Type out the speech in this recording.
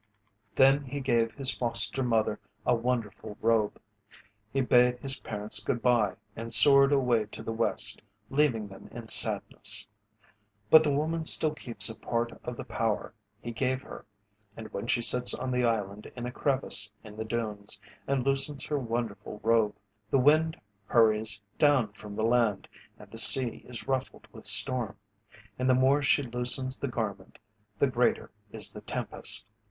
Then he gave to his foster mother a wonderful robe. He bade his parents good bye, and soared away to the west, leaving them in sadness. But the woman still keeps a part of the power he gave her, and when she sits on the island in a crevice in the dunes and loosens her wonderful robe, the wind hurries down from the land, and the sea is ruffled with storm; and the more she loosens the garment the greater is the tempest.